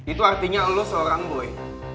itu artinya allah seorang boy